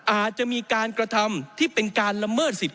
อาจจะมีการกระทำที่เป็นการละเมิดสิทธ